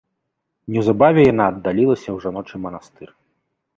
Неўзабаве яна аддалілася ў жаночы манастыр.